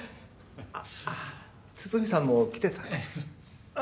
あ筒見さんも来てたの。